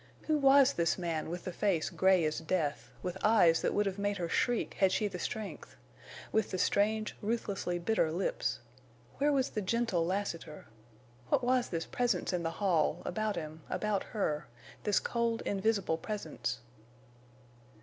Who was this man with the face gray as death, with eyes that would have made her shriek had she the strength, with the strange, ruthlessly bitter lips? Where was the gentle Lassiter? What was this presence in the hall, about him, about her—this cold, invisible presence?